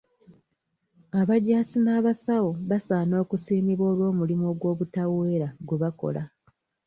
Abajjaasi n'basawo basaana okusiimibwa olw'omulimu ogw'obutaweera gwe bakola.